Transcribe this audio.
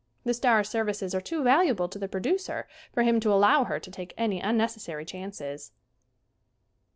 The star's services are too valuable to the producer for him to allow her to take any unnecessary chances.